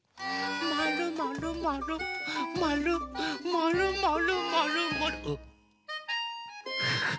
まるまるまるまるまるまるまるまるあっ。